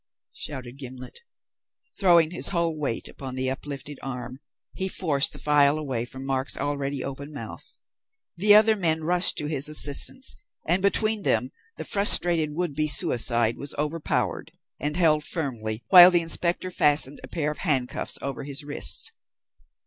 shouted Gimblet. Throwing his whole weight upon the uplifted arm, he forced the phial away from Mark's already open mouth; the other men rushed to his assistance, and between them the frustrated would be suicide was overpowered, and held firmly while the inspector fastened a pair of handcuffs over his wrists.